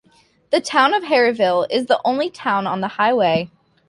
The town of Harviell is the only town on the highway.